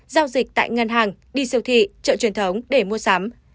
giao dịch tại ngân hàng đi siêu thị chợ truyền thống để mua sắm